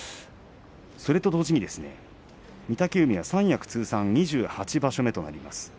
それと同時に御嶽海は三役通算２８場所目となります。